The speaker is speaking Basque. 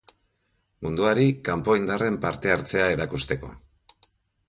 Munduari kanpo-indarren parte hartzea erakusteko.